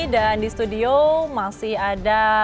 dan di studio masih ada